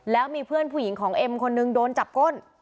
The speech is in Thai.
แล้วมีเพื่อนผู้หญิงของเอ็มคนนึงโดนจับก้น